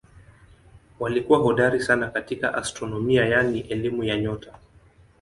Walikuwa hodari sana katika astronomia yaani elimu ya nyota.